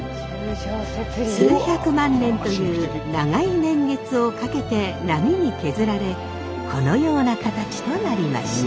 数百万年という長い年月をかけて波に削られこのような形となりました。